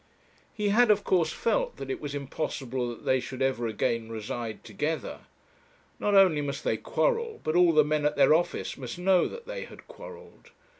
He had of course felt that it was impossible that they should ever again reside together. Not only must they quarrel, but all the men at their office must know that they had quarrelled.